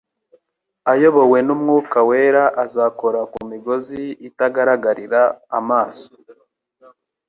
ayobowe n'Umwuka wera azakora ku migozi itagaragarira amaso